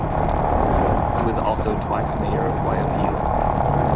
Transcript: He was also twice mayor of Guayaquil.